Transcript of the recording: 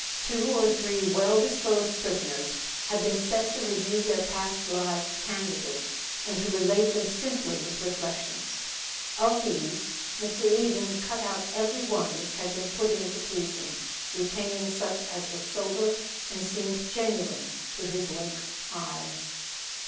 Two or three well disposed prisoners had been set to review their past lives candidly, and to relate them simply, with reflections. Of these Mr. Eden cut out every one which had been put in to please him, retaining such as were sober and seemed genuine to his lynx eye.